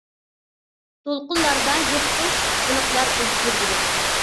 دولقۇنلاردا يىرتقۇچ بېلىقلار ئۈزۈپ يۈرگۈدەك.